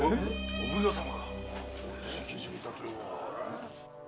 お奉行様が。